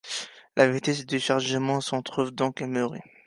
La vitesse de chargement s'en trouve donc améliorée.